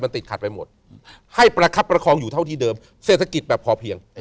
ติดขัดไปหมดให้ประคับประคองอยู่เท่าที่เดิมเศรษฐกิจแบบพอเพียง